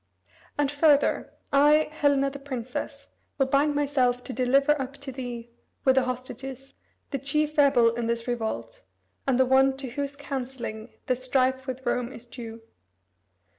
And further, I, Helena the princess, will bind myself to deliver up to thee, with the hostages, the chief rebel in this revolt, and the one to whose counselling this strife with Rome is due."